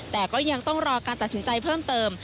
แต่ก็ยังต้องรอการตัดสินใจเพิ่มเติม